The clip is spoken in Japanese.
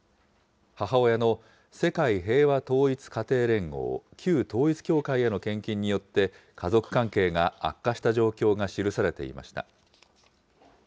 母親の世界平和統一家庭連合・旧統一教会への献金によって家族関係が悪化した状況が記されていました。